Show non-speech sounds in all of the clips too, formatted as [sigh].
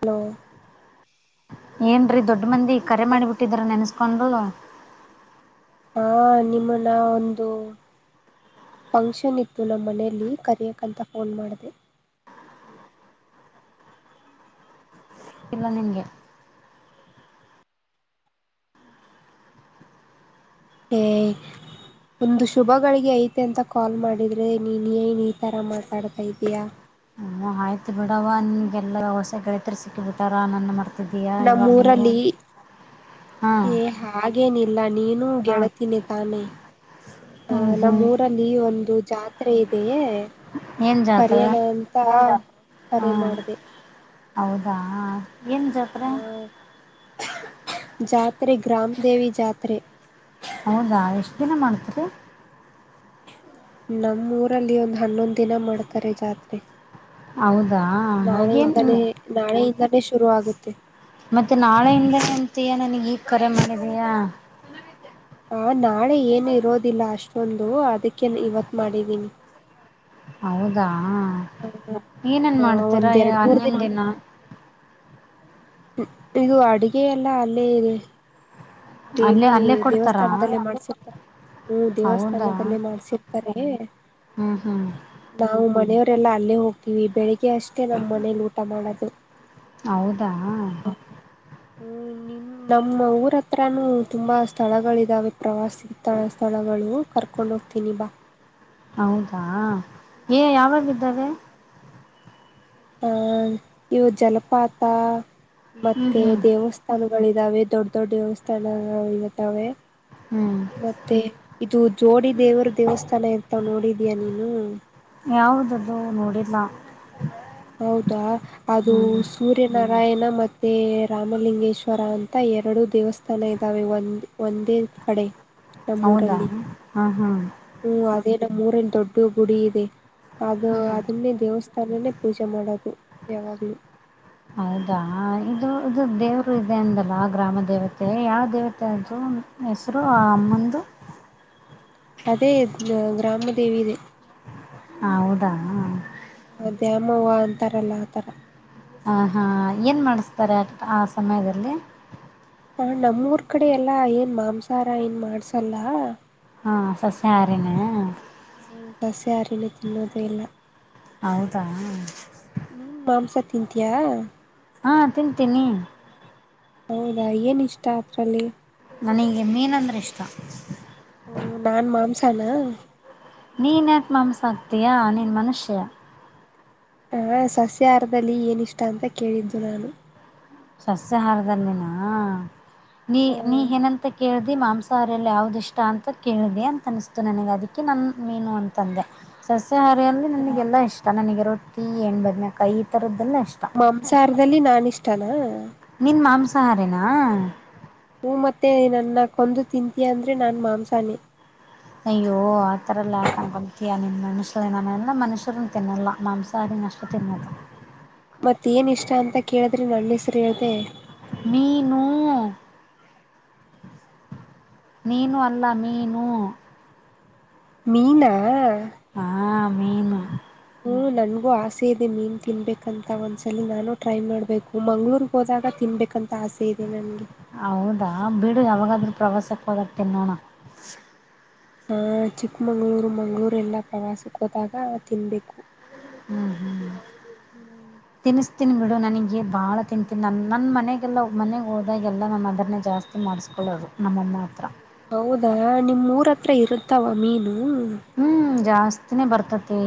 Hello ಏನ್ರೀ ದೊಡ್ಡ ಮಂದಿ ಕರೆ ಮಾಡಿಬಿಟ್ಟಿದ್ರ ನೆನ್ಸ್ಕೊಂಡ್ರು ಹಾ ನಿಮ್ಮನ್ನ ಒಂದು ಫಂಕ್ಷನ್ ಇತ್ತು ನಮ್ಮನೆಯಲ್ಲಿ ಕರಿಯ ಕಂತ ಫೋನ್ ಮಾಡಿದೆ ಇಲ್ಲ ನಿನ್ಗೆ ಈ ಒಂದು ಶುಭಗಳಿಗೆ ಐತೆ ಅಂತ ಕಾಲ್ ಮಾಡಿದ್ರರೆ ನೀನು ಏನು ಈ ಥರ ಮಾತಾಡ್ತಾ ಇದೀಯಾ ಆಯ್ತ್ ಬಿಡವ ನಿಂಗೆಲ್ಲ ಹೊಸ ಳಿತರು ಸಿಕ್ಕಿ ಬಿಟ್ಟಾರ ನನ್ನ ಮಾಡ್ತ ದಯಾ ಇವಾಗ ನಗೂ ನಮ್ಮೂರಲ್ಲಿ ಹಾ ಏ ಹಾಗೇನಿಲ್ಲ ನೀನುೂ ಗೆಳ್ತೀನಿ ತಾನೇ ಆ ಹ್ಮ್ ಹ್ಮ್ ನಮ್ಮೂರ ನೀ ಒಂದು ಜಾತ್ರೆ ಇದೆಯೇ ಏನ್ ಜಾತ್ರೆ ಕರಿಯಣ ಅಂತ ಹಾ ಕರೆ ಮಾಡ್ದ ಹೌದಾ ಏನ್ ಜಾತ್ರೆ ಆಹ ಜಾತ್ರೆ ಗ್ರಾಮದೇವಿ ಜಾತ್ರೆ ಹೌದಾ ಎಷ್ಟು ದಿನ ಮಾಡ್ತ್ರಿ ನಮ್ಮೂಊರಲ್ಲಿ ಒಂದು ಹನ್ನೊಂದು ದಿನ ಮಾಡ್ತಾರೆ ಜಾತ್ರೆ ಹೌದಾ ಹಾಗೇನು ನಾಳೆಯಿಂದಾನೇ ನಾಳೆಯಿಂದಾನೇ ಶುರು ಆಗುತ್ತೆ ಮತ್ತೆ ನಾಳೆಯಿಂದ ಅಂತಯ ನನಗೆ ಈಗ ಕರೆ ಮಾಡಿದಯಾ ಹ ನಾಳೆ ಏನು ಇರೋದಿಲ್ಲ ಅಷ್ಟೊಂದು ಅದಕ್ಕೆ ಇವತ್ ಮಾಡಿದೀನಿ ಹೌದಾ ಏನೇನ್ ಆ ಮಾಡ್ತೀರಾ ಒಂದೆರಡು ಮೂರು ಹನ್ನೊದದ್ ನ ದಿನ ಇದು ಅಡುಗೆ ಎಲ್ಲ ಅಲ್ಲೇ ಇದೆ ಅಲ್ಲೇ ದೇವಿ ಅಲ್ಲೇ ಕೊಡ್ತಾರಾ ದೇವಸ್ಥಾನದಲ್ಲೇ ಮಾಡ್ಸತಾರೆ ಹ್ಮ್ ಹೌದಾ ದೇವಸ್ಥಾನದಲ್ಲಿ ಮಾಡ್ಸಿರ್ತಾರೆ ಹ್ಮ್ ಹ್ಮ್ ನಾವು ಮನೆಯವರೆಲ್ಲಾ ಅಲ್ಲೇ ಹೋಗ್ತೀವಿ ಬೆಳಿಗ್ಗೆ ಅಷ್ಟೇ ನಮ್ಮ್ ಮನೇಲಿ ಊಟ ಮಾಡೋದು ಹೌದಾ ಹ್ಮ್ ನಿನ್ ನಮ್ಮ ಊರತ್ರ ಹತ್ರಾನ ತುಂಬಾ ಸ್ಥಳಗಳಿದಾವೆ ಪ್ರವಾಸಿ ತಳ ಸ್ಥಳಗಳು ಕರ್ಕೊಂಡ ಹೋಗ್ತೀನಿ ಬಾ ಹೌದಾ ಏ ಯಾವಾಗ್ದಿದ್ದಾರೆ ಅಹ ಇವ ಜಲಪಾತ ಹ್ಮ್ ಮತ್ತೆ ಹ್ಮ್ ದೇವಸ್ಥ ಸ್ಥಾನಗಳ ಇದಾವೆ ದೊಡ್ಡ ದೊಡ್ಡ ದೇವಸ್ಥಾನಗಳು ಇರುತ್ತಾವೆ ಹ್ಮ್ ಮತ್ತೆ ಇದು ಜೋಡಿ ದೇವರ ದೇವಸ್ಥಾನ ಇಂತ ನೋಡಿದೀಯ ನೀನು ಯಾವುದ್ದು ನೋಡಿಲ್ಲ ಹೌದಾ ಅದು ಹ್ಮ್ ಸೂರ್ಯ ನಾರಾಯಣ ಮತ್ತು ರಾಮಲಿಂಗೇಶ್ವರ ಅಂತ ಎರಡು ದೇವಸ್ಥಾನ ಇದ್ದಾವೆ ಒಂದು ಒಂದೇ ಕಡೆ ಹೌದಾ ಹಾಂ ಹಾ ಹ್ಮ ಅದೇ ನಮ್ಮ ಮೂರಲ್ಲಿ ದೊಡ್ಡ ಗುಡಿ ಇದೆ ಅದು ಹ್ಮ್ ಅದನ್ನೇ ದೇವಸ್ಥಾನನೇ ಪೂಜೆ ಮಾಡೋದು ಯಾವಾಗಲೂ ಹೌದಾ ಇದು ಇದು ದೇವರು ಇದೆ ಅಂದಲ್ಲ ಗ್ರಾಮ ದೇವತೆ ಯಾವ ದೇವತೆ ದು ಹೆಸರು ಆ ಅಮ್ಮಂದು ಅದೇ ಗ್ರಾಮ ದೇವಿ ಇದೆ ಹೌದಾ ಅ ದ್ಯಾಮವ ಅಂತಾರಲ್ಲ ಆತರ ಆ ಹಾ ಏನ್ ಮಾಡಿಸ್ತಾರೆ ಆ ಆ ಸಮಯದಲ್ಲಿ ಹ ನಮ್ಮೂರ್ ಕಡೆ ಎಲ್ಲಾ ಏನ್ ಮಾಂಸಾಹಾರ ಏನ್ ಮಾಡ್ಸಲ್ಲ ಹಾಂ ಸಸ್ಯ ಆರ್ಯನ ಹ ಸಸ್ಯ ಆರಿನ ತಿನ್ನೋದೇ ಇಲ್ಲ ಹೌದಾ ನೀನು ಮಾಂಸ ತಿಂತೀಯಾ ಹಾಂ ತಿಂತೀನಿ ಹೌದಾ ಏನ್ ಇಷ್ಟ ಅದರಲ್ಲಿ ನನಗೆ ಮೀನ್ ಅಂದ್ರೆ ಇಷ್ಟ ಹ ನಾನ್ ಮಾಂಸಾನ ನೀನು ಯಕ ಮಂಸ ಆಕ್ತಿಯಾ ನೀನು ಮನುಷ್ಯ ಹ ಸಸ್ಯಾಹಾರದಲ್ಲಿ ಏನ ಇಷ್ಟ ಅಂತ ಕೇಳಿದ್ದು ನಾನು ಸಸ್ಯಾಹಾರದಲ್ಲಿನಾ ನೀ ನೀ ಏನಂತ ಕೇಳ್ದಿ ಮಾಂಸ ಸಾರಲ್ಲಿ ಯಾವ್ದು ಇಷ್ಟ ಅಂತ ಕೇಳಿದೆ ಅಂತನಿಸ್ತು ನನಗೆ ಅದಕ್ಕೆ ನನ್ನ ಮೀನು ಅಂತಂದೆ ಸಸ್ಯಾಹಾರಿಯಲ್ಲಿ ನನಗೆಲ್ಲಾ ಇಷ್ಟ ನನಗೆ ರೊಟ್ಟಿ ಎಏಣ್ ಬದ್ ಕೈ ಈ ತರದ್ದೆಲ್ಲ ಇಷ್ಟ ಸಂಸಾರದಲ್ಲಿ ನಾನ ಇಷ್ಟನಾ ನಿನು ಮಾಂಸಾಹಾರೇನಾ ಹ ಮತ್ತೆ ನನ್ನ ಕೊಂದು ತಿಂತೀಯ ಅಂದ್ರೆ ನಾನು ಮಾಂಸಾನೆ ಅಯ್ಯೋ ಆತರ ಎಲ್ಲ ಹಾಕೊಂಡ್ ಬತೀಯಾ ನಿನ್ ಮನ್ಸ ನಾನೆಲ್ಲ ಮನುಷ್ಯರಿನ್ ತಿನ್ನಲ್ಲ ಮಾಂಸಾರಿ ಅಷ್ಟು ತಿನ್ನಲ್ಲ ಮತ್ತೇಏನ ಇಷ್ಟ ಅಂತ ಕೇಳಿದ್ರೆ ನನ್ನ ಹೆಸರು ಹೇಳ್ದ ಮೀನು ನೀನು ಅಲ್ಲ ಮೀನು ಮೀನಾ ಹಾ ಮೀನು ಹ ನನ್ಗೂ ಆಸೆ ಇದೆ ಮೀನು ತಿನ್ಬೇಕಂತ ಒಂದ್ಸಲ ನಾನು ಟ್ರೈ ಮಾಡ್ಬೇಕು ಮಂಗ್ಳೂರ್ ಹೋದಾಗ ತಿನ್ಬೇಕಂತ ಆಸೆ ಇದೆ ನನಗೆ ಹೌದಾ ಬಿಡು ಯಾವಾಗಾದ್ರೂ ಪ್ರವಾಸಕ್ಕೆ ಹೋದಾಗ್ತ ನೋಣ ಆ ಚಿಕ್ಕಮಂಗ್ಳೂರು ಮಂಗ್ಗಳೂರು ಎಲ್ಲ ಪ್ರವಾಸಕ್ಕೆ ಹೋದಾಗ ತಿನ್ಬೇಕು ಹ್ಮ್ ಹ್ಮ್ ಹ್ಮ್ ತಿನ್ನಿಸ್ತೀನಿ ಬಿಡು ನನಗೆ ಭಾಳ ತಿಂತೀನಿ ನನ್ನ ನನ್ನ ಮನೆಗೆಲ್ಲ ಮನೆಗೆ ಹೋದಾಗಲ್ಲ ನಮ್ಮ ಅದರನೇ ಜಾಸ್ತಿ ಮಾಡಿಸ್ಕೊಳ್ಳೋದು ನಮ್ಮಮ್ಮ ಹತ್ರ ಹೌದಾ ನಿಮ್ಮೂರ ಹತ್ರ ಇರುತ್ತಾವ ಮೀನು ಹ್ಮ್ ಜಾಸ್ತಿನೇ ಬರ್ತತಿ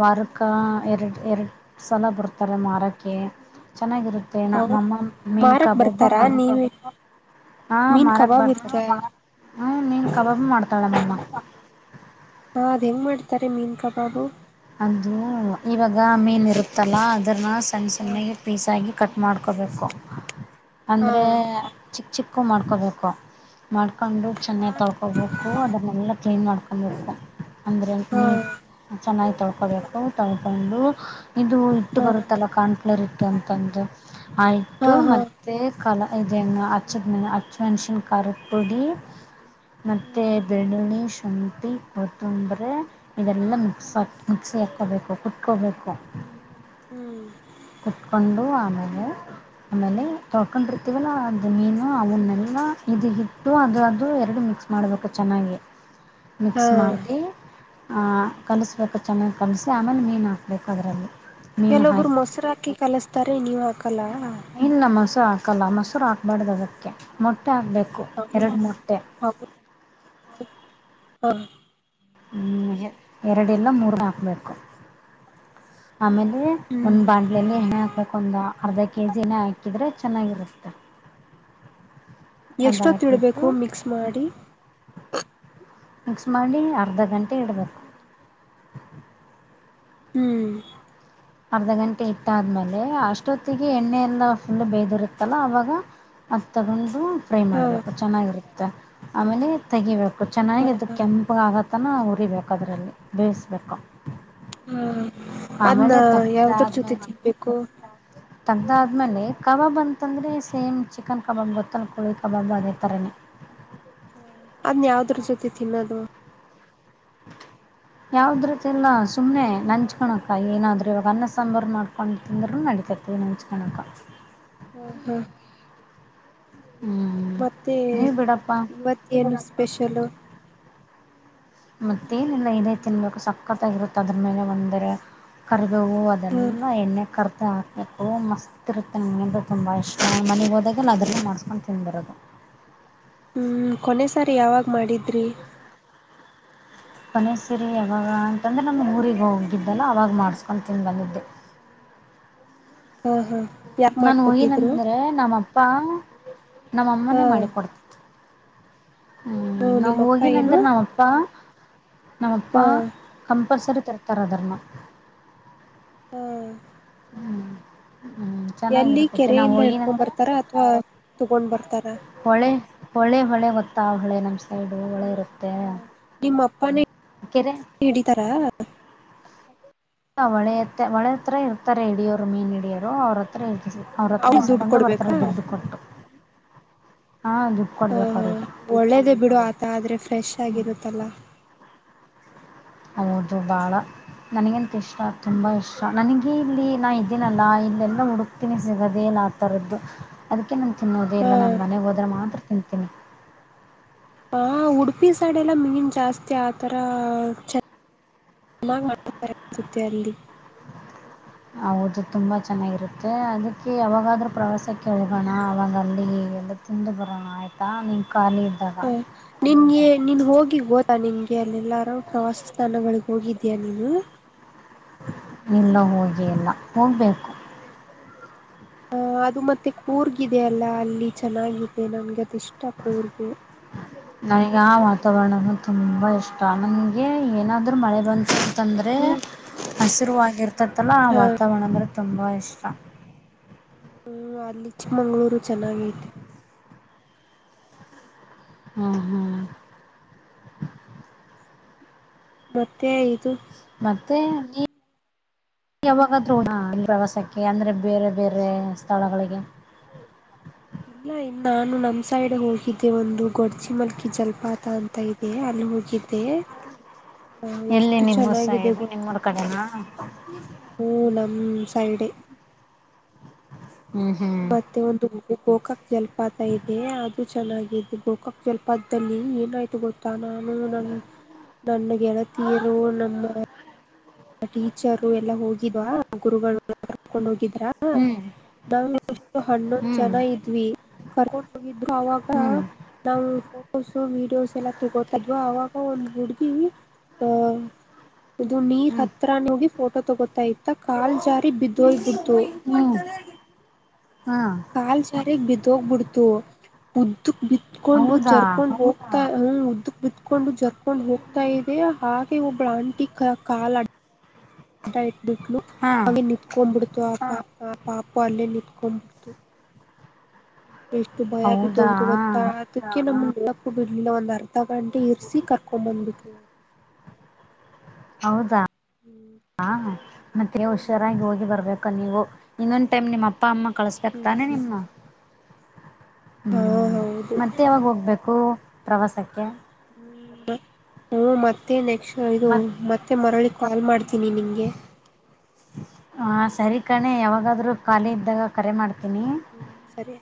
ವಾರಕ ಎರಡು ಎರಡು ಸಲ ಬರ್ತಾರೆ ಮಾರೋಕ್ಕೆ ಚೆನ್ನಾಗಿರುತ್ತೆ ಹೌ ನಮ್ಮಮ್ಮಮ್ಮ ಮೀನು ಮಾರಕ್ ಕಬಬ್ಬ ಮಾಡ್ತಾರೆ [inaudible] ಹಾಂ ಮೀನ್ ಮಾರಕ್ಕೆ ಕಬಾಬ್ ಇರ್ತ ಬರ್ತೀರಿ ಹಾ ಹ ಮೀನುಕಬಾಬು ಮಾಡ್ತಾಳ ಮಮ್ಮ ಹಾ ಅದ್ ಹೆಂಗ್ ಮಾಡ್ತಾರೆ ಮೀನ್ಕಾ ಬಾಬು ಅದು ಇವಾಗ ಮೀನ್ ಇರುತ್ತಲ್ಲಾ ಅದ್ರನ್ನ ಸಣ್ಣ ಸಣ್ಣ ಪೀಸಾಗಿ ಕಟ್ ಮಾಡ್ಕೋಬೇಕು ಹಾ ಅಂದರೆ ಚಿಕ್ಕ ಚಿಕ್ಕು ಮಾಡ್ಕೊಬೇಕು ಮಾಡ್ಕೊಂಡು ಚೆನ್ನಾಗಿ ತೊಳ್ಕೊಬೇಕು ಅದನ್ನೆಲ್ಲ ಕ್ಲೀನ್ ಮಾಡ್ಕು ಅ ಅಂದರೆ ಹಾ ನೀರು ಚೆನ್ನಾಗಿ ತೊಳ್ಕೊಬೇಕು ತೊಳ್ಕೊಂಡು ಇದು ಇಟ್ಟು ಹಾ ಬರುತ್ತಲ್ಲ ಕಾರ್ನ್ಫ್ಲೋರ್ ಇತ್ತು ಅಂತಂದು ಹಾ ಆಯತು ಮ ಹಾ ಮತ್ತು ಕಲ ಇದದೆ ಅಚ್ಚ ಅಚ್ಚು ಮೆಣಸಿನ ಕರೆ ಪುಡಿ ಮತ್ತೆ ಹ್ಮ್ ಬೆಳ್ಳಳ್ಳಿ ಶುಂಠಿ ಕೊತ್ತಂಬ್ರೆ ಇದೆಲ್ಲಾ ಹ್ಮ್ ಸ್ವಲ್ಪ ಮಿಕ್ಸಿ ಹಾಕೋಬೇಕು ಕುತ್ಕೋಬೇಕು ಹ್ಮ್ ಹ್ಮ್ ಕುತ್ಕೊಂಡು ಆಮೇಲೆ ಆಮೇಲೆ ತೊಳ್ಕೊಂಡಿರ್ತವಲ್ಲ ಅದ ಮೀನು ಅವನ್ನೆಲ್ಲ ಇದ ಹಿಟ್ಟು ಅದು ಅದು ಎರಡು ಮಿಕ್ಸ್ ಮಾಡಬೇಕು ಚೆನ್ನಾಗಿ [unintelligible] ಮಿಕ್ಸ್ ಮಾಡಿ ಆ್ ಕಲಿಸ್ಬೇಕು ಚೆನ್ನಾಗಿ್ ಕಲಸಿಸಿ ಆಮೇಲೆ ಮೀನು ಹಾಕ್ಬೇಕು ಅದರಲ್ಲಿ ಮೀನು ಕೆಲವಬ್ರು ಹಾಕಿ ಮೊಸರಾಕಿ ಕಲಸ್ತಾರೆ ನೀವ್ ಹಾಕಲ್ಲ ಇಲ್ಲ ಮೊಸರು ಹಾಕಲ್ಲ ಮೊಸರು ಹಾಕ್ಬಾರ್ದು ಅದಕ್ಕೆ ಮೊಟ್ಟೆ ಹಾಕ್ಬೇಕು ಹೌ ಹೌ ಹ [inaudible] ಎರಡಿಲ್ಲ ಮೂರು ಹಾಕಬೇಕು ಆಮೇಲೆ ಹ್ಮ್ ಒಂದು ಬಾಂಡಲೆ ಹೆಣ್ಣೆಹಾಕು ಅದಕ್ಕೊಂದು ಅರ್ಧ ಕೆ ಜಿನೇ ಹಾಕಿದ್ರೆ ಚೆನ್ನಾಗಿರುತ್ತೆ ಅದು ಎಷ್ಟೊತ್ತ ಇಡಬೇಕು ಹಾಕಿಬಿಟ್ಟು ಮಿಕ್ಸ್ ಮಾಡಿ ಮಿಕ್ಸ್ ಮಾಡಿ ಅರ್ಧ ಗಂಟೆ ಇಡಬೇಕು ಹ್ಮ್ ಅರ್ಧ ಗಂಟೆ ಇಟ್ಟಾದ್ಮೇಲೆ ಅಷ್ಟೊತ್ತಿಗೆ ಎಣ್ಣೆ ಎಲ್ಲಾ ಫುಲ್ ಬೇದಿರುತ್ತಲ್ಲ ಅವಾಗ ಅದ ತಗೊಂಡು ಫ್ರೈ ಹಾ ಮಾಡ್ಬೇಕು ಚೆನ್ನಾಗಿರುತ್ತ ಆಮೇಲೆ ತೆಗಿಬೇಕು ಚೆನ್ನಾಗಿ ಅದು ಕೆಂಪ ಆಗತ್ತನ ಉರಿಬೇಕು ಅದರಲ್ಲಿ ಬೇಯಿಸ್ಬೇಕು ಹಾ ಅದ್ನ್ನ ಆಮೇಲೆ ಯಾವ್ದ್ರ ಜೊತೆ ತಿನ್ಬೇಕು ತಗದಾದ್ಮೇಲೆ ಕಬಾಬ್ ಅಂತಂದರೆ ಸೇಮ್ ಚಿಕನ್ ಕಬಾಬ್ ಗೊತ್ತಲ್ ಕೋಳಿ ಕಬಾಬ ಅದೇ ಥರನೇ ಹ ಅದ್ನ್ ಯಾವ್ದ್ರ ಜೊತೆ ತಿನ್ನೋದು [unintelligible] ಯಾವ್ದ್ರತಿನ್ನ ಸುಮ್ಮನೆ ನಂಚಕೋಣಕ ಏನಾದ್ರೂ ಇವಾಗ ಅನ್ನ ಸಾಂಬಾರು ಮಾಡ ಒಂದು ತಿಂದರು ನಡೀತತ ನಂಚ್ಕನಕ ಹ್ಮ ಹ್ಮ್. ಹ್ಮ್. ಮತ್ತೆ ಇವತ್ತ ಏನು ಸ್ಪೆಷಲ್. ಮತ್ತ ಏನಿಲ್ಲ ಇದೇ ತಿನ್ಬೇಕು ಸಕ್ಕತ್ತಾಗಿರುತ್ತೆ ಅದ್ರ ಮೇಲೆ ಒಂದರೆ. ಕರಿಬವು ಅದೆಲ್ಲ ಎಣ್ಣೆ ಕರ್ತ ಹಾತ. ಯಕೋ ಮಸ್ತ್ ಇರುತ್ತೆ ನನಗೆಂದರೆ ತುಂಬ ಇಷ್ಟ ಮನೆಗೆ ಹೋದಾಗ ನ ಅದ್ರಲ್ಲಿ ಮಾಡಿಸ್ಕೊಂಡು ತಿಂದುಬರೋದು. ಹ್ಞೂ ಕೊನೆ ಸಾರಿ ಯಾವಾಗ ಮಾಡಿದ್ರಿ ಕೊನೆ ಸಿರಿ ಯಾವಾಗ ಅಂತಂದ್ರೆ ನಮ್ಮ ಊರಿಗೆ ಹೋಗಿದ್ದಲ್ಲ ಅವವಾಗ ಮಾಡಸ್ಕೊಂಡು ತಿಂದು ಬಂದಿದ್ದೆ ಹಾ ಹಾ ಯಾರ್ ನಾನು ಮಾಡ್ಕೊಟ್ಟಿದ್ರು ಹೋಗಿನಂದ್ರೆ ನಮ್ಮಪ್ಪ ಹಾ ನಮ್ಮಅಮ್ಮನೇ ಮಾಡಿ ಕೊಡ್ತತೆತೆ ಹ್ಮ್ ಹ್ಮ ನಾವ ನಿಮ್ಮಪ್ಪ ಏನು ಹೋಗಿನಂದ್ರೆ ನಾವವು ನಮ್ ಅಪ್ಪ ನಮ್ಮಪ್ಪ ಹಾ ಕಂಪಲ್ಸರಿ ತರ್ತಾರ ಅದ್ರನ್ನು ಹ್ಮ್ಮ್ ಹ್ ಎಲ್ಲಿ ಕೆರೆಯಿಂದ ಇಡ್ಕೊಂಡ್ ಬರ್ತಾರ ಅಥವಾ ತಗೊಂಡ್ ಬರ್ತಾರ ಹೊಳೆ ಹೊಳೆ ಹೊಳೆ ಗೊತ್ತಾ ಆ ಹೊಳೆ ನಮ್ಮ ಸೈಡು ಹೊಳೆ ಇರುತ್ತೆ ಹ ನಿಮ್ಮ ಅಪ್ಪ [unintelligible] ಕೆರೆ ಹಡಿತಾರ. ಒಳೆ ಹತ್ತ ಒಳೆ ಹತ್ರ ಇರ್ತಾರೆ ಹಿಡಿಯರು ಮೀನ್ ಹಿಡಿಯರು ಅವ್ರ ಹತ್ರ ಇಾರೆ. ಅವ್ರ ಹತ್ರ ದುಡ್ಡು ಇಸ್ಕೊಂಡು ಬರ್ತಾರೆ ಕೊಡ್ಬೇಕಾ ದುಡ್ಡು ಕೊಟ್ಟು ಹಾಂ ದುಡ್ಡು. ಹ ಕೊಡ್ಬೇಕು ಹ ಅವ್ರಿಗೆ ಒಳ್ಳೇದೆ ಬಿಡು ಆತ ಆದ್ರೆ ಹ್ಮ್, ಫ್ರೆಶ್ಶಾಗಿರುತ್ತಲ್ಲಾ. ಹೌದು ಬಾಳ ನನಿಗಂತು ಇಷ್ಟ ತುಂಬ ಇಷ್ಟ ನನಿಗೆ ಇಲ್ಲಿ ನಾ ಇದಿನಲ್ಲ ಇಲ್ಲೆಲ್ಲ ಹುಡುಕ್ತೀನಿ ಸಿಗೋದೇ ಇಲ್ಲ ಆತರುದ್ದು. ಅದಿಕ್ಕೆ ನಾನ್ ತಿನ್ನೋದೆ ಹ ಇಲ್ಲ ನಾನ್ ಮನೆಗ್ ಹೋದ್ರೆ ಮಾತ್ರ ತಿಂತೀನಿ. ಹಾ ಉಡುಪಿ ಸೈಡೆಲ್ಲ ಮಿನಿಮ್ ಜಾಸ್ತಿ ಆತರ ಚ [inaudible] ಅತ್ತುತ್ತೆ ಅಲ್ಲಿ. ಹೌದು ತುಂಬಾ ಚನ್ನಗಿರುತ್ತೆ ಅದಿಕ್ಕೆ ಯಾವಾಗಾದ್ರೂ ಪ್ರವಾಸಕ್ಕೆ. ಹೋಗಣ ಅವಾಗಲ್ಲಿ ಎಲ್ಲ ತಿಂದು ಬರೋಣ ಆಯ್ತಾ ನೀನ್ ಖಾಲಿ ಇದ್ದಾಗ ಹ. ನಿಂಗೆ ನೀನ್ ಹೋಗಿ ಗೋತ ನಿನ್ಗೆ ಅಲ್ಲೆಲ್ಲಾರು ಪ್ರವಾಸ ಸ್ಥಳಗಳ್ಗ್ ಹೋಗಿದೀಯ ನೀನು? ಇಲ್ಲ ಹೋಗೇ ಇಲ್ಲ ಹೋಗ್ಬೇಕು. ಅಹ್ ಅದು ಮತ್ತೆ ಕೂರ್ಗಿದೆ ಅಲ್ಲ ಅಲ್ಲಿ ಚೆನ್ನಾಗಿದೆ ನನ್ಗೆ ಅದ್ ಇಷ್ಟ ಕೂರ್ಗು. [unintelligible] ನಂಗ್ ಆ ವಾತಾವರ್ಣನು ತುಂಬಾ ಇಷ್ಟ ನನ್ಗೆ ಏನಾದ್ರು ಮಳೆ ಬಂತ ತಂದ್ರೆ ಹ್ಮ್ ಹಸಿರುವಾಗ್ ಇರ್ತೈತ್ತಲ್ಲ ಆ ಹಾ ವಾತಾವರ್ಣ ಅಂದ್ರೆ ತುಂಬ ಇಷ್ಟ. ಹು ಅಲ್ಲಿ ಚಿಕ್ಮಂಗ್ಳೂರು ಚನ್ನಾಗೈತೆ. ಹ್ಮ್ ಹ್ಮ್ ಮತ್ತೆ ಇದು. ಮತ್ತೇ ಈ ಯಾವಾಗಾದೃಣ ಪ್ರವಾಸಕ್ಕೆ ಅಂದ್ರೆ ಬೇರೆ ಬೇರೆ ಸ್ಥಳಗಳಿಗೆ. ಇಲ್ಲ ಇನ್ ನಾನು ನಮ್ ಸೈಡ್ ಹೋಗಿದ್ದೆ ಒಂದು ಗೊಡ್ಜಿ ಮಲ್ಕಿ ಜಲ್ಪಾತ ಅಂತ ಇ ಐತೆ ಅಲ್ಲಿ ಹುಗಿದ್ದೆ. ಎಲ್ಲಿ ನಿಮ್ಮೂರ್ಸ ಇದು ನಿಮ್ಮೂರ್ ಕಡೆನ ಹು ನಮ್ ಸೈಡೆ. ಹ್ಮ್ ಹ್ಮ್ ಮತ್ತೆ ಒಂದು ಗೊ ಗೋಕಾಕ್ ಜಲ್ಪಾತ ಐತೆ ಅದು ಚೆನ್ನಾಗಿದೆ ಗೋಕಾಕ್ ಜಲ್ಪಾತ್ದಲ್ಲಿ ಏನಾಯ್ತು ಗೊತ್ ತ್ತಾ ನಾನು ನನ್ ನನ್ನ ಗೆಳತಿಯರು ನಮ್ಮ ಟೀಚರು ಎಲ್ಲಾ ಹೋಗಿವ, ಗುರುಗಳು ಕರ್ಕೊಂಡ್ ಹೋಗಿದ್ರ ಹ್ಮ್. ನಾವು ಎಷ್ಟು ಹನ್ನೊಂದ್ ಜನ ಇದ್ವಿ ಕರ್ಕೊಂಡ್ ಹೋಗಿದ್ರು ಅವಾಗ ಹ್ಮ್ ನಾವು ಫೋಟೋಸು, ವೀಡಿಯೋಸ್ ಎಲ್ಲ ತಗೋತಿದ್ವ ಅವಾಗ ಒಂದ್ ಹುಡ್ಗಿ. ಹಾ ಇದು ನೀರ್ ಹ್ಮ್ ಅತ್ರನೆ ಹೋಗಿ ಫೋಟೋ ತಗೋತಾ ಇತ್ತ ಕಾಲ್ ಜಾರಿ ಬಿದ್ದೋಯ್ಬಿಡ್ತು. ಹ್ಮ್, ಹಾ ಕಾಲ್ ಜಾರಿ ಬಿದೋಗ್ಬಿಡ್ತು ಉದ್ದುಕ್ ಬಿತ್ಕೊಂಡು ಹೌದಾ ಜರ್ಕೊಂಡ್ ಹೋಗ್ ಹ ಹ್ಮ್ ಉದ್ದುಕ್ ಬಿತ್ಕೊಂಡು ಜರ್ಕೊಂಡು ಹೋಗ್ತಾ ಇದೆ ಹಾಗೆ ಒಬ್ಳ್ ಆಂಟಿ ಕ ಕಾಲ್ ಅಡ್ಡ ಅಡ್ಡ ಇಟ್ಬಿಟ್ಲು, ಹಾ ಅಂಗೆ ನಿತ್ಕೊಂಡ್ಬಿಡ್ತು ಆ ಪಾಪ ಆ ಪಾಪು ಅಲ್ಲೇ ನಿತ್ಕೊಂಡ್ಬಿಡ್ತು. ಎಷ್ಟು ಭಯ ಹೌದಾ ಬಿದ್ದೋಗಿತ್ತು ಗೊತ್ತಾ. ಅದಿಕ್ಕೆ ನಮ್ಗ್ ಇರಕ್ಕೂ ಬಿಡ್ಲಿಲ್ಲ ಒಂದ್ ಅರ್ಧ ಗಂಟೆ ಇರ್ಸಿ ಕರ್ಕೊಂಡ್ ಬಂದ್ಬಿಟ್ರು ಹೌದಾ ಹ ಮತ್ತೆ ಹುಷಾರಾಗ್ ಹೋಗಿ ಬರ್ಬೇಕ್. [unintelligible] ಇನ್ನೊಂದ್ ಟೈಮ್ ನಿಮ್ ಅಪ್ಪ ಅಮ್ಮ ಕಳಿಸ್ಬೇಕ್ ತನೆ ನಿಮ್ನ ಹಾ ಹ್ಮ್ ಹೌದು ಮತ್ತೆ ಯಾವಾಗ್ ಹೋಗ್ಬೇಕು ಪ್ರವಾಸಕ್ಕೆ. ಹ್ಮ್ ಹ್ಮು ಮತ್ತೆ ನೆಕ್ಸ್ಟ್ ಇದು ಮತ್ ಮತ್ತೆ ಮರಳಿ ಕಾಲ್ ಮಾಡ್ತೀನಿ ನಿನ್ಗೆ ಹಾ ಸರಿ ಕಣೆ ಯಾವಾಗಾದರೂ ಖಾಲಿ ಇದ್ದಾಗ ಕರೆ ಮಾಡ್ತೀನಿ. ಹ್ಮ ಸರಿ.